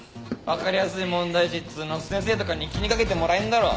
分かりやすい問題児っつうのは先生とかに気に掛けてもらえんだろ。